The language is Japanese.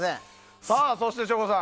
そして、省吾さん